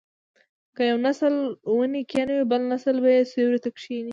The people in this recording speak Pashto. که یو نسل ونې کینوي بل نسل به یې سیوري ته کیني.